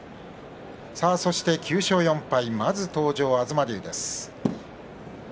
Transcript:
そして、９勝４敗まず登場は東龍です。